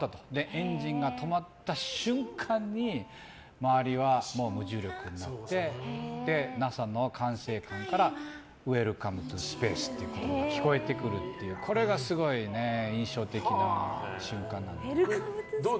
エンジンが止まった瞬間に周りはもう無重力になってＮＡＳＡの管制官からＷｅｌｃｏｍｅｔｏＳｐａｃｅ！っていう言葉が聞こえてくるっていうこれがすごい印象的な瞬間。